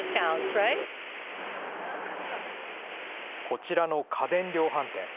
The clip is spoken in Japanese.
こちらの家電量販店。